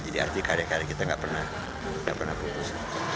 jadi arti karya karya kita nggak pernah nggak pernah pupus